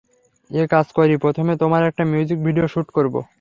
এক কাজ করি, প্রথমে তোমার একটা মিউজিক ভিডিও শ্যুট করবো।